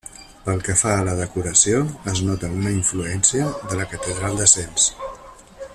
Pel que fa a la decoració es nota una influència de la catedral de Sens.